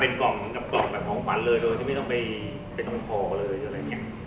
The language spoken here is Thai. เป็นกล่องแบบของฝันเลยโดยไม่ต้องไปต้องพอเลย